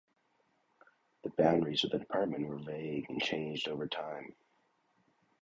The boundaries of the department were vague, and changed over time.